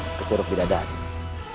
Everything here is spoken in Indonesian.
syekh guri membawa nimas rara santang